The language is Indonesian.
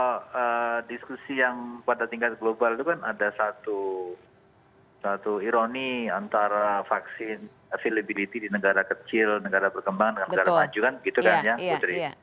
kalau diskusi yang pada tingkat global itu kan ada satu ironi antara vaksin availability di negara kecil negara berkembang dengan negara maju kan begitu kan ya putri